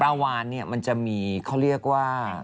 วานเนี่ยมันจะมีเขาเรียกว่า